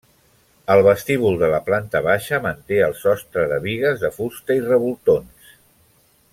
El vestíbul de la planta baixa manté el sostre de bigues de fusta i revoltons.